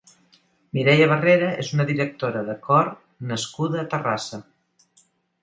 Mireia Barrera és una directora de cor nascuda a Terrassa.